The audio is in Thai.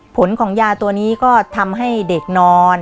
ผลของยาตัวนี้ก็ทำให้เด็กนอน